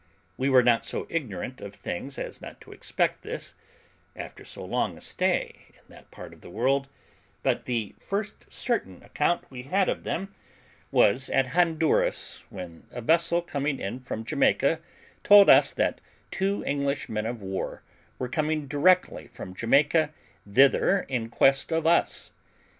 We were not so ignorant of things as not to expect this, after so long a stay in that part of the world; but the first certain account we had of them was at Honduras, when a vessel coming in from Jamaica told us that two English men of war were coming directly from Jamaica thither in quest of us.